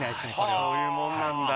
そういうもんなんだ。